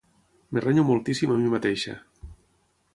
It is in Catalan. Em renyo moltíssim a mi mateixa.